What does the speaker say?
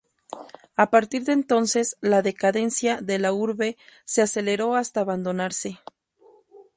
A partir de entonces la decadencia de la urbe se aceleró hasta abandonarse.